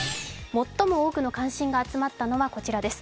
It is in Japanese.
最も多くの関心が集まったのは、こちらです。